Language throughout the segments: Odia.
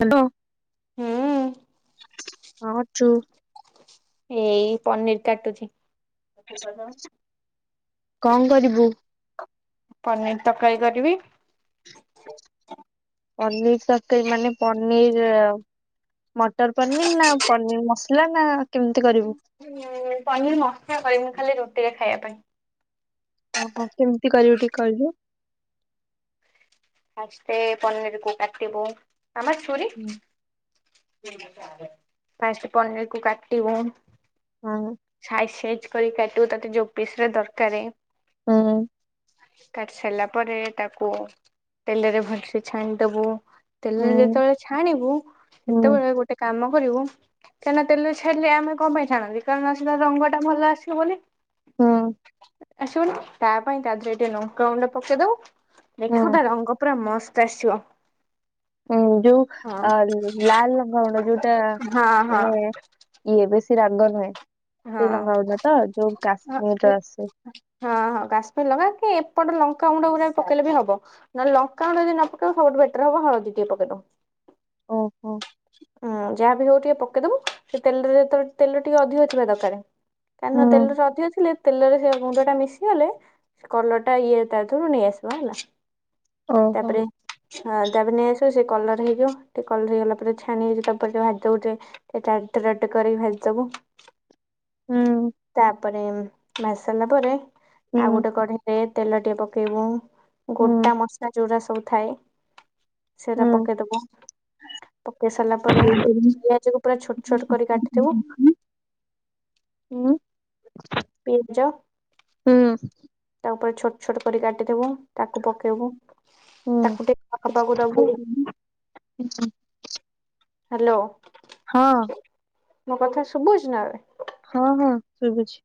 ହ୍ୟାଲୋ ହୁଁ ହଁ ଠିକ୍। ଏଇଁ ପନିର କାଟୁଚି କଣ କରିବୁ? ପନିର ତରକାରୀ କରିବି। ପନିର ତରକାରି ମାନେ ପନିର ମଟର ପନିର ନା ପନିର ମସଲା, ନା କେମିତି କରିବୁ? ପନିର ମସଲା କରମି ଖାଲି ରୁଟିିକ ଖାଇବା ପାଇଁ। ଓହୋ କେମିତି କରିବେ, ଟିକେ କହିଲେ? ଆସକେ ପନରକୁ କାଟିିବ ଆମର୍ ଛୁରୀ? ଫାଷ୍ଟ୍ ପନିରକୁ କାଟିବ। ହଁ ସାଇଜ୍ ସାଇଜ୍ କରି କାଟିବ, ତତେ ଯଉ ପିସ୍ ଦରକାରେ। [unintelligible] କାଟି ସାଇଲା ପରେ ତାକୁ ତେଲରେ ଭଲସେ ଛାଣିଦବୁ, ହୁଁ ତେଲରେ ତ ଛାଣିବୁ ହୁଁ ସେତେବେଳେ ଗୋଟ୍। ଏଁ କାମ କରିବୁ। କାହିଁନା ତେଲରେ ଛାଡିଲେ ଆମେ କଣ ପାଇଁ ଛାଡନନ୍ତି? କାରଣ ସେଟା ରଙ୍ଗଟା ଭଲ ଆସିବ ବୋଲି। ହୁଁ ଅଶିବନି ତାଆ ପାଇଁ କାଜୁ ଦିଟା, ଲଙ୍କାଗୁଣ୍ଡ ପକେଇ ଦେବ। ହୁଁ ଫୁଦା ରଙ୍ଗ ପୁରା ମସ୍ତ ଆସିବ। ହୁଁ ଯୋଉ ହଁ। ଅ ଲାଲ ରଙ୍ଗଗୁଣ୍ଡ, ଯୋଉଟା ହଁ ହଁ ମାନେ ଇଏ ବେଶୀ ରାଗ ନୁହେଁ ହଁ। ଶେଇଲଙ୍ଗା ଗୁଣ୍ଡ, ତ ଯୋଉ‍ଁ କାଶ୍ମୀରର ଆସେ। ହଁ ହଁ, କାଶ୍ମୀର ଲଙ୍କା କି ଏପଟେ ଲଙ୍କାଗୁଣ୍ଡ, ପକେଇଲେ ବି ହବ। ମାନେ ଲଙ୍କାଗୁଣ୍ଡ ଯଦି ନଅ ପେକେଇବ, ବହୁତ ବେଟର୍ ହବ, ହଳଦୀ ଟିକେ ପକେଇଦବ। ଓହୋ। ଉଁ ଯାହା ବିି ହେଉ, ଟିକେ ପକେଇଦବ, ସେ ତେଲରେ ତେଲ ଟିକେ ଅଧିକ ଥିବା ଦରକାରେ। କାହିଁ ନା ହୁଁ ତେଲରେ ଅଧିକ ଥିଲେ ତେଲରେ ସେ ମୁଣ୍ଡ ଟା ମିଶିଗଲେ, କଲରଟା ଇଏ ତା ଧିଏରୁ ନେଇଆସିବା ହେଲା। ଓହୋ ତାପରେ ହଁ ତାପ୍ନେ ସେ କଲର ହେଇଯିବ ଟିକେ କଲର ହେଇଗଲା ପରେ ଛାଣି [unintelligible] ଭାଜିଦବ ହୁଁ ତାପରେ ମାଜି ସାରିଲା ପରେ, ହୁଁ ଆଉ ଗୋଟେ କଢ଼େଇ। ତେଲ ଟିକିଏ ପକେଇବ, ହୁଁ ଗୋଟା ମସଲା ଜଉଟା ସବୁ ଥାଏ। ସେଇଟା ପକେଇଦବ। ପକେଇ ସାରିଲା ପରେ, ହୁଁ ପିଆଜ କୁ ପୁରା ଛୋଟ ଛୋଟ କରି କାଟିଥିବ। ଉଁ। ପିଜ। ହୁଁ ତାପରେ ଛୋଟ ଛୋଟ କରି କାଟିଥବ ତାକୁ ପକେଇବ। ହୁଁ ତାକୁ ଟିକେ ପକେଇଦବ ତାକୁ। [unintelligible] ହ୍ୟାଲୋ। ହଁ। ମୋ କଥା ଶୁଭୁଛି ନା? ହଁ ହଁ ଶୁଭୁଛି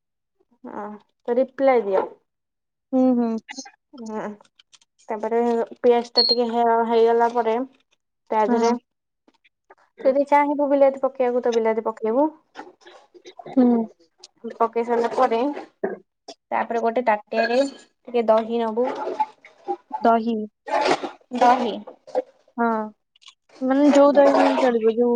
ହଁ ତ ରିପ୍ଲାଏ ଦିଅ ହୁଁ ହୁଁ ହୁଁ ତାପରେ ପିଆଜ ଟା ଟିକେ ହେଇଗଲା ପରେ ତା ହଁ ଦିରେ ତୁ ଯଦି ଚାହିଁବୁ ବିଲାତି ପକେଇବାକୁ ତ ବିଲାତି ପକେଇବୁ ହୁଁ ପକେଇସାଇଲା ପରେ [inaudible] ତାପରେ ଗୋଟେ ତାଟିଆରେ ଟିକେ ଦହି ନବୁ ଦହି ଦହି ହଁ ମାନେ ଯୋଉ ଦହି ନେଲେ ଚଳିବ ଯୋଉ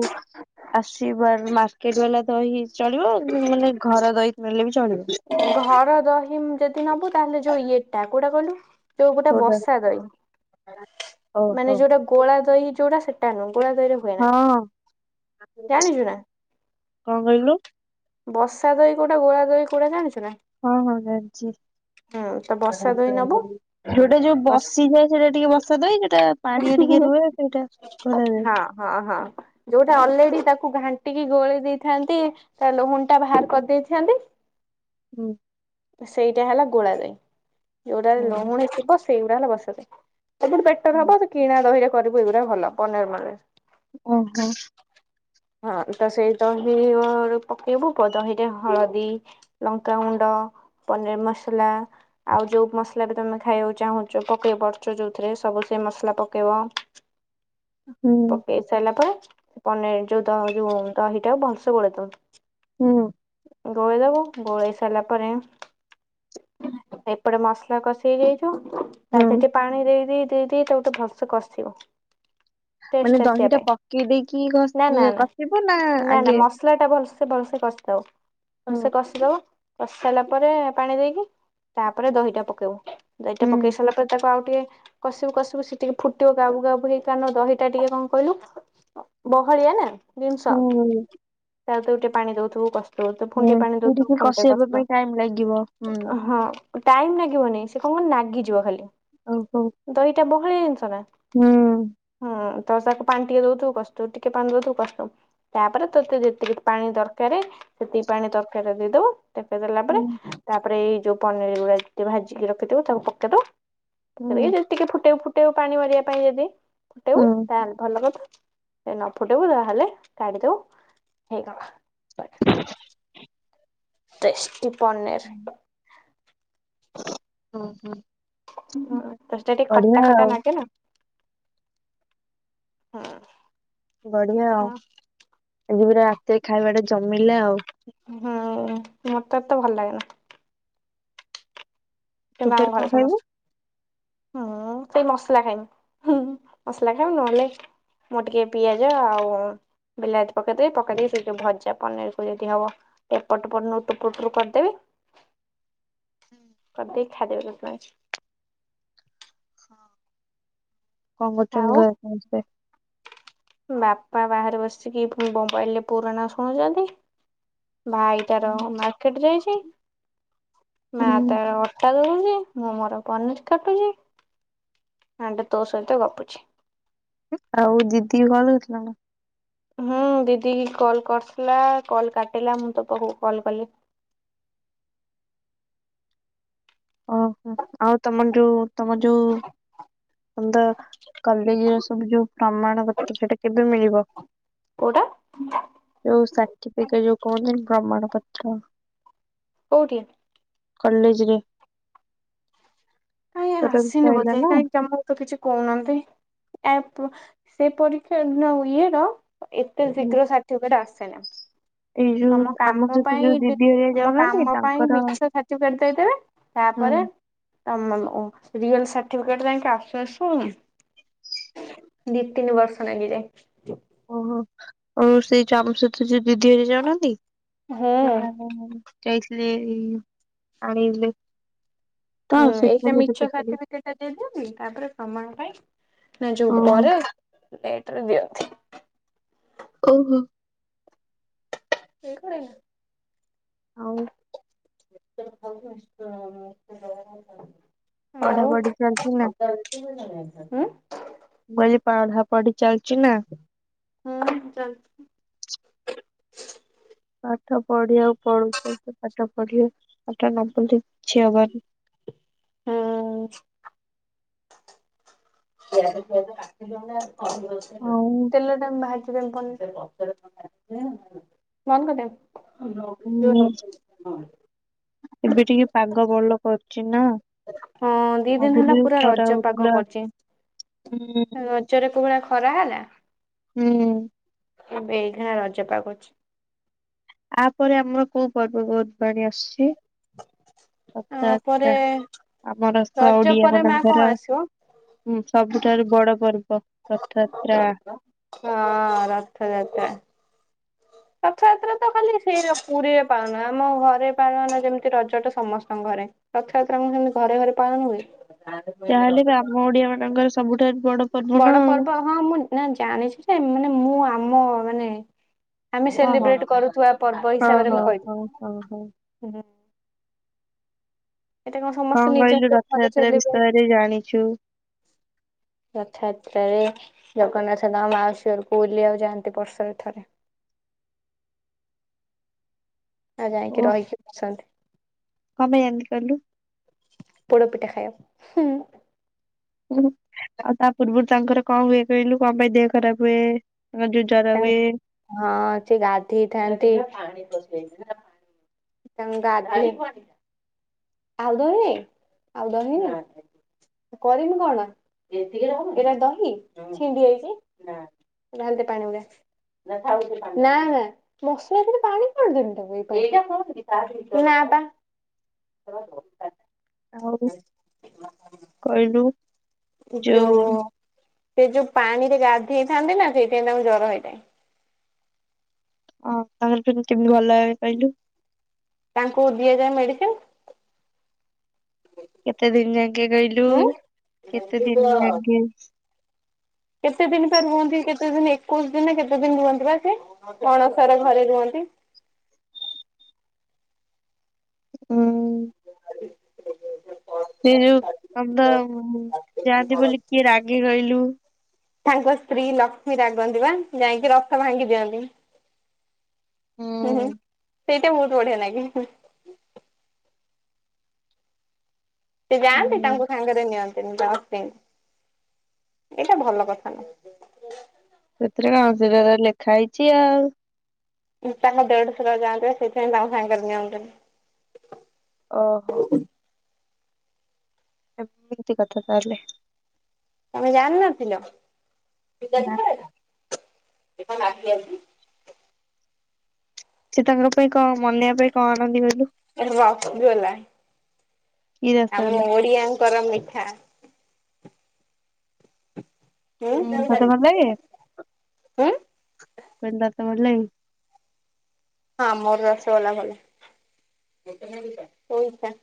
ଆସିବାର ମାର୍କେଟ ବାଲା ଦହି ଚଳିବ ମାନେ ଘର ଦହି ଖାଇଲେ ବି ଚଳିବ ଘର ଦହି ଯଦି ନବୁ ତାହେଲେ ଯୋଉ ଇଏ ଟା କୋଟା କହିଲୁ ଯୋଉ ଗୋଟା କୋଉଟା ବସା ଦହି ଓହୋ ମାନେ ଯୋଉଟା ଗୋଳା ଦହି ଯଉଟା ସେଟା ନୁହ ଗୋଳା ଦହିରେ ହୁଏ ନା ହଁ କଣ ଜାଣିଛୁ ନା କହିଲୁ ବସା ଦହି କୋଉଟା ଘୋଳା ଦହି କୋଉଟା ଜାଣିଛୁ ନା ହଁ ହଁ ଜାଣିଛି ହଁ ଯୋଉଟା ଯୋଉ ବସ ବସିଯାଏ ସେଟା ଟିକେ ବସା ଦହି ସେ ଟା ହଁ ହଁ ହଁ ଯୋଉଟା ଅଲରେଡି ତାକୁ ଘାଣ୍ଟିକି ଗୋଳେଇ ଦେଇଥାନ୍ତି ତା ଲହୁଣି ଟା ବାହାର କରିଦେଇଥାନ୍ତି ହୁଁ ସେଇଟା ହେଲା ଗୋଳା ଦହି ଯୋଉଟାରେ ହୁଁ, ଲୁହୁଣି ଥିବ ସେଇଗୁଡା ହେଲା ବସା ଦହି ଏ ଗୋଟେ ବେଟର ହବ କିଣା ଦହିରେ କରିବୁ ଏଇଗୁଡା ଭଲ ପନିର ମନର ଓହୋ ହଁ ତ ସେଇ ଦହି ପକେଇବୁ ଦହିରେ ହଳଦୀ ଲଙ୍କାଗୁଣ୍ଡ, ପନିର୍ ମସଲା ଆଉ ଯୋଉ ମସଲା ବି ତମେ ଖାଇବାକୁ ଚାହୁଁଛ ପକେଇ ପାରୁଛ ଯୋଉଥିରେ ସବୁ ସେ ମସଲା ପକେଇବ [inaudible] ପକେଇ ସାରିଲା ପରେ ପନିର ଯୋଉ ଦ ଯୋଉ ଦହିଟା ଭଲସେ ଗୋଳେଇ ଦବ ହୁ ଗୋଳେଇ ଦବ ଗୋଳେଇ ସାରିଲା ପରେ ଏପଟେ ମସଲା କଷେଇ ହେଇଥିବ ତା ହୁଁ ଭିତରେ ପାଣି ଦେଇ ଦେଇତା ଦେହେ ଭଲସେ କଷିବ ମାନେ ଟେଷ୍ଟ ଆସିବା ଦହିଟା ପକେଇ ଦେଇକି ପାଇଁ ନା ନା ଘଷି କଷିବ ନା ମସ ଆଗେ ମସଲା ଟା ଭଲସେ ଭଲସେ କଷିଦବ ହୁଁ। ଭଲସେ କଷିଦବ କଷି ସାରିଲା ପରେ ପାଣି ଦେଇକି ତାପରେ ଦହିଟା ପକେଇବ ଦହିଟା ହୁଁ ପକେଇ ସାରିଲା ପରେ ତାକୁ ଆଉ ଟିକେ କସିବୁ କସିବୁ ସେ ଟିକେ ଫୁଟିବ ଗାଉଲୁ ଗାଉଲୁ ହେଇକି ନା କାରଣ ଦହିଟା ଟିକେ କଣ କହିଲୁ ବହଳିଆ ନା ଜିନିଷ ହୁଁ ତାର ତ ଗୋଟେ ପାଣି ଦଉଥିବୁ କଷି ତ ପୁଣି ଟିକେ ପାଣି ଦଉଥିବୁ ପୁଣି କସି ଦବ ଟାଇମ୍ ଲାଗିବ ହୁଁ। ହଁ ଟାଇମ ଲାଗିବନି ସେ କଣ ନାଗିଯିବ ଖାଲି ହଉ ହଉ ଦହିଟା ବହଳିଆ ଜିନିଷ ନା ହୁଁ ତ ତାକୁ ପାଣି ଟିକେ ଦଉୁଥିବୁ କସୁଥିବୁ ଟିକେ ପାଣି ଦଉୁଥିବୁ କସୁଥିବୁ ତାପରେ ତତେ ଯେତିକି ପାଣି ଦରକାର ସେତିକି ପାଣି ତରକାର ଦେଇଦବୁ ପକେଇ ଦେଲା ହୁଁ ପରେ ତାପରେ ଏଇ ଯୋଉ ପନିର ଗୁଡା ଭାଜିକି ରଖିଥିବ ତାକୁ ପକେଇଦବ ପକେଇ ହୁଁ ଦେଇକି ଟିକେ ଫୁଟେଇ ଫୁଟେଇ ପାଣି ମରିବା ପାଇଁ ଯଦି ଫୁଟେଇବୁ ହୁଁ। ତାହେଲେ ଭଲ କଥା ସେ ନ ଫୁଟେଇବୁ ତାହେଲେ କାଢିଦବୁ ହେଇଗଲା [inaudible] ଟେଷ୍ଟି ପନିରୀ ହୁଁ ହ ହଁ ହୁଁ ତ ସେଟା ଟିକେ ଖଟା ଖଟା ଆଉ ଲାଗେ ନା ହୁ ବଢିଆ ଆଉ ଆଜି ପୁରା ରାତିରେ ଖାଇବା ଟା ଜମିଲା ଆଉ ହୁଁ ମତେ ଏ ତ ଭଲ ଲାଗେନା ତୁ କିନ୍ତୁ ଫେରେ ଆମ କଣ ଘରେ ଖାଇବୁ ସମସ୍ତେ ମୁଁ ସେଇ ମସଲା ଖାଇମି ହୁ ମସଲା ଖାଇମି ନହେଲେ ମୁଁ ଟିକେ ପିଆଜ ଆଉ ବିଲାତି ପକେଇଦବି ପକେଇଦେଇକି ସେ ଯୋଉ ଭଜା ପନିର କୁ ଯଦି ହବ। ଏପଟପଟ ନୁ ଟୁ ପୁଟୁରୁ କରିଦେବେ। କରି ଦେଇକି ଖାଇଦେବେ [unintelligible] କଣ ଆଉ କରୁଛନ୍ତି ଘରେ ସମସ୍ତେ? ବାପା ବାହାରେ ବସିକି ବୋବାଇଲ ରେ ପୁରାଣ ଶୁଣୁଛନ୍ତି। ଭାଇ ତାର ମାର୍କଟେ ଯାଇଛି ମା ହୁଁ ତାର ଅ ଟା ଦଉଛି ମୁଁ ମୋର ପନିର କାଟୁଛି ଆଣ୍ଡ ତୋ ସହିତ ଗପୁଛି। ଆଉ ଦିଦି କି କଲ କରିଥିଲ ନା। ହୁଁ ଦିଦି କି କଲ୍ କରିଥିଲା କଲ୍ କାଟିଲା ମୁଁ ତ ପାଖକୁ କଲ୍ କଲି। ଓହୋ ଆଉ ତମର ଯୋଉ ତମ ଯୋଉ କାଲି ସବୁ ଯୋଉ ପ୍ରମାଣ ପତ୍ର ସେଇଟା କେବେ ମିଳିବ? କଉଁଟା? ଯଉ ସାର୍ଟିଫିକେଟ ଯୋଉ କହୁ ନା ପ୍ରମାଣ ପତ୍ର। କଉଠି? କଲେଜ ରେ। କାଇଁ ତୋର ବି ଆସିନି ସଇଲା ବୋଧେ ନା? କାହିଁ [unintelligible] ତ କିଛି କହୁନାହାନ୍ତି ଆପ ସେ ପରୀକ୍ଷା ଇଏ ର ଏତେ ହୁଁ। ଶୀଘ୍ର ସାଠି ଫିକେଟ ଆସେ ନା [unintelligible] ଏଇ ଯୋଉ ଆମ ସହିତ ଯୋଉ ବି ଦିଦି ଘରିକା ତମ ଯାଉନାହାନ୍ତି କାମ ପାଇଁ ତାଙ୍କର ମିଛ ସାର୍ଟିଫିକେଟ ଦେଇଦେବେ ତାପରେ ହୁଁ [unintelligible] ରିଅଲ ସଟିଫିକେଟ ଯାଇକି ଆସୁ ଆସୁ। ଦିତିନି ବର୍ଷ ନାଗି ଯାଏ। ଓହୋ ଆଉ ସେଇ ଚାମଚ ତ ଯୋଉ ଦିଦି ହେରେ ଯାଉ ନାହାନ୍ତି। ହୁଁ। ସେମାନେ ଯାଇଥିଲେ ଏଇ ଯୋଉ ଆଣେଇଥିଲେ। ତ [unintelligible] ଦିଅନ୍ତି ତାପରେ ପ୍ରମାଣ ପାଇଁ ନା ଯୋଉ ଓହୋ ପରେ ଲେଟରେ ଦିଅନ୍ତି। ଓହୋ। ସେଇ [unintelligible] ଆଉ। [unintelligible] ପଢାପଢି ହଲୋ। ଚାଲିଛି ନା? [unintelligible] ମୁଁ କହିଲି ପଢ଼ା ପଢ଼ି ଚାଲିଛି ନା? ହଁ ଚାଲିଛି। ପାଠ ପଢିବାକୁ ପଡୁଛି। ପାଠ ପଢିବା ପାଠ ନ ପଢିଲେ କିଛି ହବନି। ହଁ। [unintelligible] ତେଲ ଆଉ ଟା ଭ ଉଁ [unintelligible] ଏବେ ଟିକେ ପାଗ ଭଲ କରୁଛି ନା। ହଁ ଦି ଦିନ ହେଲା ଆଗରୁ ଯୋଉ ପୁରା ଖରା ରଜ ପାଗ ହଉଥିଲା କରିଛି। ହୁଁ ରଜ ରେ କୋଉ ଭଳିଆ ଖରା ହେଲା? ହୁଁ। ଏବେ ଏଇଖିନା ରଜ ପାଗ ଅଛି। ଆ ପରେ ଆମର କୋଉ ପର୍ବ ପର୍ବାଣୀ ଆସୁଛି? ଆ ରଥଯାତ୍ରା। ପରେ ଆମର ରଜ ଓଡିଆ ପରେ ମା କଣ ମାନଙ୍କର ଆସିବ? ହୁଁ, ସବୁଠାରୁ ବଡ ପର୍ବ ରଥଯାତ୍ରା। ହଁ, ରଥଯାତ୍ରା। ରଥଯାତ୍ରା ତ ଖାଲି ସେଇ ପୁରୀରେ ପାଳନ। ଆମ ଘରେ ପାଳନ ଯେମିତି ରଜଟା ସମସ୍ତଙ୍କ ଘରେ। ରଥଯାତ୍ରା ମୁ ସେମିତି ଘରେ ଘରେ ପାଳନ ହୁଏ [inaudible] ଯାହାହେଲେ ବି ଆମ ଓଡିଆ ମାନଙ୍କର ସବୁଠାରୁ ବଡ ପର୍ବ ନା ଉ। ହଁ, ମୁଁ ନା ଜାଣିଛି ଯେ। ମାନେ ମୁଁ ଆମ ମାନେ ଆମେ ଆଉ ସେଲିବ୍ରେଟ କରୁଥିବା ପର୍ବ ହଁ ହିସାବରେ ହଁ ହଁ ହଁ ହଁ ହଁ ହଁ ଘରେ। ଏଇଟା ସମସ୍ତେ କଣ ନିଜ କହିଲୁ ନିଜ ଘରେ ରଥଯାତ୍ରା ସେଲିବ୍ରେଟ ବିଷୟରେ ଜାଣିଛୁ? ରଥଯାତ୍ରାରେ ଜଗନ୍ନାଥ ତାଙ୍କ ମାଉସୀଘରକୁ ବୁଲିିବାକୁ ଯାଆନ୍ତି ବର୍ଷରେ ଥରେ। ଆଉ ଯାଇକି ଓ ରହିକି ଆସନ୍ତି କଣ ପାଇଁ ଏମିତି କହିଲୁ ପୋଡ଼ପିଠା ଖାଇଆକୁ ହୁଁ। ହୁଁ, ଆଉ ତା ପୂର୍ବରୁ ତାଙ୍କର କଣ ହୁଏ କହିଲୁ କଣ ପାଇଁ ଦେହ ଖରାପ ହୁଏ। ତାଙ୍କର ଯୋ ଜ୍ୱର ହୁଏ। ହଁ ସେ ଗାଧେଇଥାନ୍ତି। ତାଙ୍ଗା [unintelligible] ଆଉଦହଁ ଆଉ ଦ ହି କରିମି କଣ [unintelligible] ଏଟା ଦହି ଛିଣ୍ଡି ହେଇଛି ବାେ ପାଣି ଗୁଡା [unintelligible] ନା ନା [unintelligible] ମସଲା ଏଥିରେ ପାଣି କଣ ଦିନବ [inaudible] [inaudible] ଆଉ କହିଲୁ? ଯୋଉ ସେ ଯୋଉ ପାଣିରେ ଗାଧେଇ ଥାଆନ୍ତି ନା ସେଇଥି ପାଇଁ ତାଙ୍କୁ ଜ୍ୱର ହେଇଥାଏ। ଓ, ତାଙ୍କର କେମିତି ଭଲ ହୁଏ କହିଲୁ? ତାଙ୍କୁ ଦିଆଯାଏ ମେଡିସିନ କେତେ ଦିନି ଯାକେ କହିଲୁ? ହୁଁ କେତେ ଦିନି ଯାକେ? କେତେ ଦିନି ପାଇଁ ରୁହନ୍ତି। କେତେ ଦିନି ଏକୋଇଶ ଦିନି ନା କେତେ ଦିନି ରୁହନ୍ତି ପା ସେ। ଅଣସର ଘରେ ରୁହନ୍ତି। [inaudible] ସେ ଯୋଉ [unintelligible] ଆମ ତ ଯାଆନ୍ତି ବୋଲି କିଏ ରାଗି କହିଲୁ? ତାଙ୍କ ସ୍ତ୍ରୀ ଲକ୍ଷ୍ମୀ ରାଗନ୍ତି ବା। ଯାଇକି ରଥ ଭାଙ୍ଗି ଦିଅନ୍ତି। ହୁଁ ହୁଁ ସେଇଟା ବହୁତ ବଢିଆ ନାଗେ। ସେ ଯାଆନ୍ତି ହୁଁ ତାଙ୍କୁ ସାଙ୍ଗରେ ନିଅନ୍ତିନି ଯନ୍ତି ଏଇଟା ଭଲ କଥା ନୁହଁ। ସେଥିରେ କଣ ସେଟା ତ ଲେଖା ହେଇଚି ଆଉ। ତାଙ୍କ ଦେଢ ସୁର ଯାଆନ୍ତି ସେଇଥି ପାଇଁ ତାଙ୍କୁ ସାଙ୍ଗରେ ନିଅନ୍ତିନି। ଓହୋ ଏମିତି କଥା ତାହେଲେ ତମେ ଜାଣିନଥିଲ। ନା ସେ ତାଙ୍କ ପାଇଁ କଣ ମନେଇବା ପାଇଁ କଣ ଆଣନ୍ତି କହିଲୁ। [unintelligible] କି ଆମ ରସଗୋଲା ଓଡିଆଙ୍କର ମିଠା। ହୁଁ ହୁଁ [unintelligible] ହଁ ମୋର ରସଗଲା ଭଲ [unintelligible]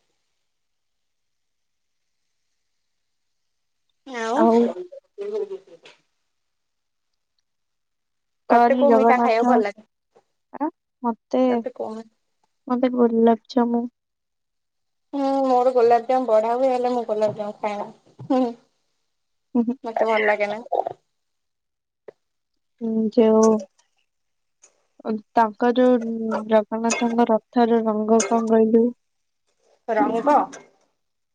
ଆଉ। ତତେ କହିଲି କୋଉ ମିଠା ଖାଇବାକୁ ଜଗନ୍ନାଥ ଭଲ ଲାଗେ ଆ ମତେ ତତେ କୋଉ ମି ମତେ ଗୋଲାପଜାମୁ। ହୁଁ ମୋର ଗୋଲାପଜାମ ବଢା ହୁଏ ହେଲେ ମୁଁ ଗୋଲାପଜାମ ଖାଏନା ହୁଁ [unintelligible] ମତେ ଭଲ ଲାଗେ ନା। ହୁଁ ଯଉ ତାଙ୍କ ଯୋଉ ଜଗନ୍ନାଥଙ୍କ ରଥ ର ରଙ୍ଗ କଣ କହିଲୁ? ରଙ୍ଗ।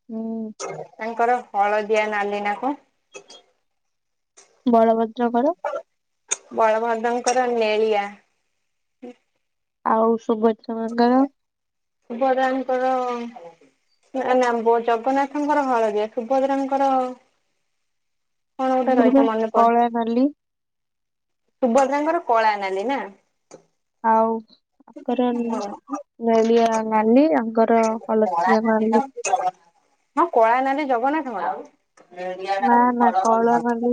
ହୁଁ। ତାଙ୍କର ହଳଦିଆ ନାଲି ନା କ ବଳଭଦ୍ର ଙ୍କର? ବଳଭଦ୍ରଙ୍କର ନେଳିଆ। ଆଉ ସୁଭ ସୁଭଦ୍ରା ଙ୍କର ନା ନା ଜଗନ୍ନାଥଙ୍କର ହଳଦିଆ ସୁଭଦ୍ରାଙ୍କର କଣ ଗୋଟେ ତାଙ୍କର ପୁରା ରହିଥା ମନେ ପ କଳା ନାଲି। ସୁଭଦ୍ରା ଙ୍କର କଳା ନାଲି ନା। ଆଉ। ଆଙ୍କର ନେଳିଆ ନାଲି ଆଙ୍କର ହଳଦିଆ ନାଲି। ହିଁ କଳା ନାଲି ଜଗନ୍ନାଥଙ୍କର। ନା ନା କଳା ନାଲି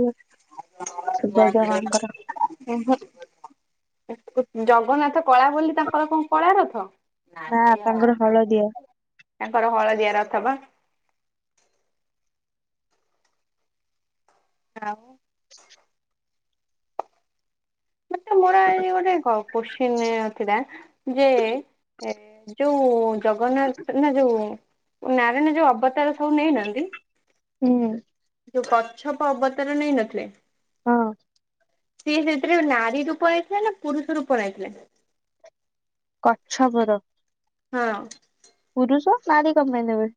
ସୁଭଦ୍ରା ମାଙ୍କର [unintelligible] ଜଗନ୍ନାଥ କଳା ବୋଲି ତାଙ୍କର କଣ କଳା ରଥ? ନା ତାଙ୍କର ହଳଦିଆ। ତାଙ୍କର ହଳଦିଆ ରଥ ପା। ଆଉ ମତେ ମୋର ଆଜି ଗୋଟେ କୋଶ୍ଚିନ୍ ଥିଲା ଯେ ଏ ଯୋଉ ଜଗନ୍ନାଥ ନା ଯୋଉ ନାରଣ ଯୋଉ ଅବତାର ସବୁ ନେଇନାହାନ୍ତି। ହୁଁ। ଯୋଉ କଚ୍ଛପ ଅବତାର ନେଇନଥିଲେ। ହଁ। ସିଏ ସେଥିରେ ନାରୀ ରୂପ ରେ ଆଇଥିଲେ, ନା ପୁରୁଷ ରୂପ ରେ ଆଇଥିଲେ। କଚ୍ଛବର। ହଁ। ପୁରୁଷ ନାରୀ କଣ ପାଇଁ ନେବେ।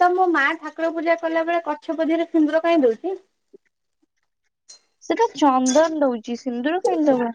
ତ ମୋ ମାଆ ଠାକୁର ପୂଜା କଲା ବେଳେ କଚ୍ଛପ ଦେହରେ ସିନ୍ଦୁର କାଇଁ ଦଉଚି। ସେଟା ଚନ୍ଦନ ଦଉଚି, ସିନ୍ଦୁର କାଇଁ ଦେବେ।